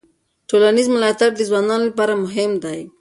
ټولنیز ملاتړ د ځوانانو لپاره مهم دی.